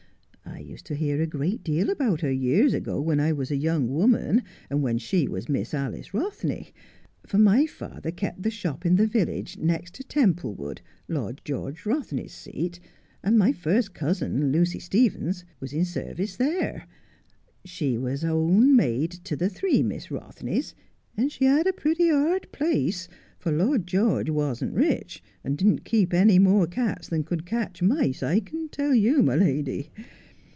I used to hear a great deal about her years ago when I was a young woman, and when she was Miss Alice Bothney ; Link by Link. 119 for my father kept the shop in the village next Templewood, Lord George Eothney's seat, and my first cousin, Lucy Stevens, was in service there. She was own maid to the three Miss Bothneys, and she had a pretty hard place, for Lord George wasn't rich, and didn't keep any more cats than could catch mice, I can tell you, my lady.